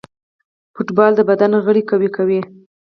فوټبال د بدن غړي قوي کوي.